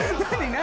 何？